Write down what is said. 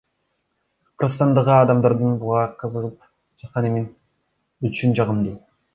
Кыргызстандагы адамдардын буга кызыгып жатканы мен үчүн жагымдуу.